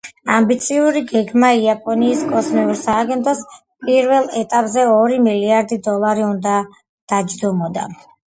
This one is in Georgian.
ამბიციური გეგმა იაპონიის კოსმოსურ სააგენტოს პირველ ეტაპზე ორი მილიარდი დოლარი უნდა დაჯდომოდა.